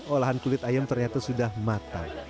olahan kulit ayam ternyata sudah matang